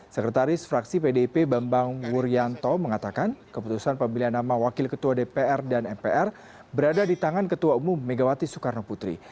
sekretaris fraksi pdip bambang wuryanto mengatakan keputusan pemilihan nama wakil ketua dpr dan mpr berada di tangan ketua umum megawati soekarno putri